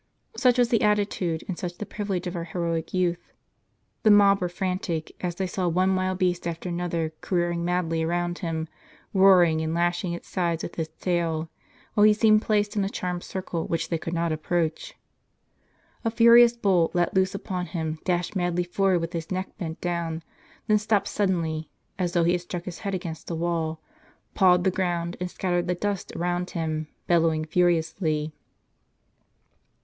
* Such was the attitude, and such the privilege of our heroic youth. The mob were frantic, as they saw one wild beast after another careering madly round him, roaring, and lashing its sides with its tail, while he seemed placed in a charmed circle which they could not approach. A furious bull, let loose npon him, dashed madly forward, with his neck bent down, then stopped suddenly, as though he had struck his head against a wall, pawed the ground, and scattered the dust around him, bellowing fiercely.